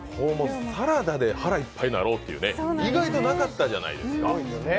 サラダで腹いっぱいになろうというね、意外となかったじゃないですか。